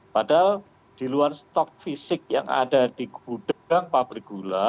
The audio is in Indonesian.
padahal di luar stok fisik yang ada di gudang pabrik gula